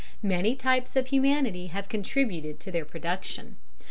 Many types of humanity have contributed to their production.